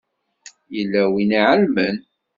Yella win i iɛelmen.